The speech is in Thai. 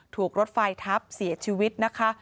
ถูกรถไฟทับเสียชีวิตนะคะ